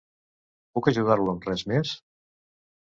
Puc ajudar-lo amb res més?